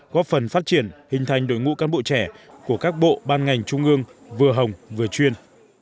góp phần phát triển hình thành đội ngũ cán bộ trẻ của các bộ ban ngành trung ương vừa hồng vừa chuyên